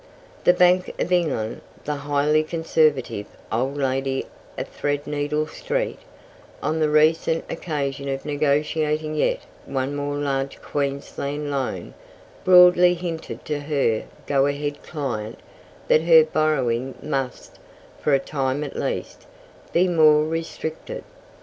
The Bank of England the highly conservative "old lady of Threadneedle street" on the recent occasion of negotiating yet one more large Queensland loan, broadly hinted to her go ahead client that her borrowing must, for a time at least, be more restricted.